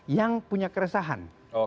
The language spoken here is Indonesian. yang punya keresahan